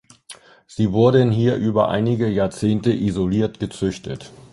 Sie wurden hier über einige Jahrzehnte isoliert gezüchtet.